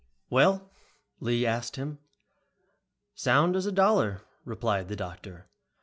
"Well?" Lee asked him. "Sound as a dollar," replied the doctor.